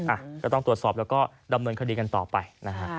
อ่ะก็ต้องตรวจสอบแล้วก็ดำเนินคดีกันต่อไปนะฮะ